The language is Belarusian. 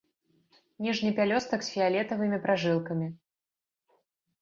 Ніжні пялёстак з фіялетавымі пражылкамі.